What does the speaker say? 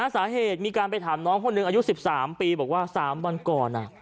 สาเหตุมีการไปถามน้องคนหนึ่งอายุ๑๓ปีบอกว่า๓วันก่อน